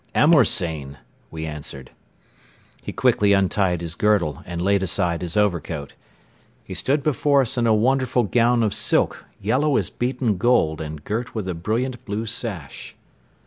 "Amoursayn," we answered. He quickly untied his girdle and laid aside his overcoat. He stood before us in a wonderful gown of silk, yellow as beaten gold and girt with a brilliant blue sash.